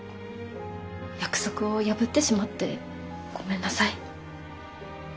約束を破ってしまってごめんなさい。